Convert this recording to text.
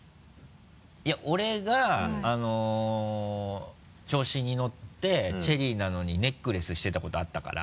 いや俺が調子に乗ってチェリーなのにネックレスしてたことあったから。